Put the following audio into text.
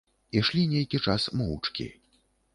Ішлі нейкі час моўчкі.